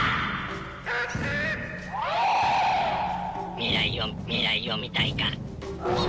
未来を未来を見たいか。